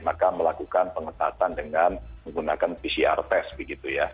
maka melakukan pengetahuan dengan menggunakan pcr test